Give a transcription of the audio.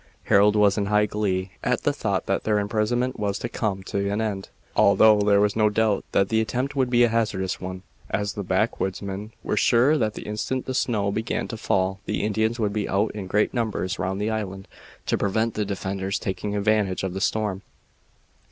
Harold was in high glee at the thought that their imprisonment was to come to an end, although there was no doubt that the attempt would be a hazardous one, as the backwoodsmen were sure that the instant the snow began to fall the Indians would be out in great numbers round the island, to prevent the defenders taking advantage of the storm.